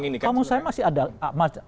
karena kamu saya masih ada maksudnya